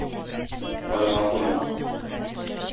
Айга кунам.